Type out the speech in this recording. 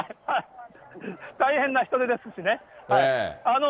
大変な人出ですしね。